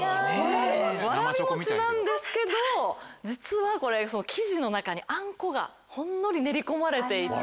わらび餅なんですけど実はこれ生地の中にあんこがほんのり練り込まれていて。